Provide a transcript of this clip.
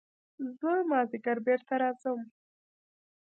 زه مازديګر بېرته راځم.